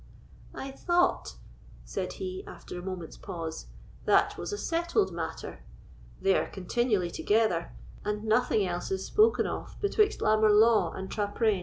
"I thought," said he, after a moment's pause, "that was a settled matter; they are continually together, and nothing else is spoken of betwixt Lammer Law and Traprain."